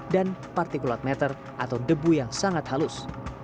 dan partikulat meter atau debu yang sangat halus